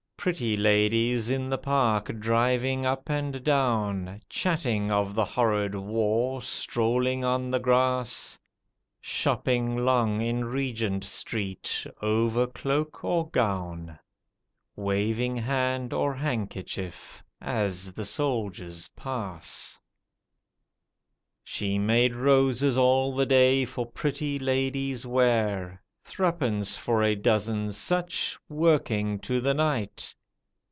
Pretty ladies in the park driving up and down, Chatting of the horrid war, strolling on the grass, Shopping long in Regent Street, over cloak or gown. Waving hand or handkerchief as the soldiers pass. THE SAD TEARS THE HUMAN TOUCH (Continued) She made roses all the day for pretty ladies' wear, Threepence for a dozen such, working to the night.